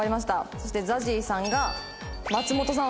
そしてＺＡＺＹさんが松本さん。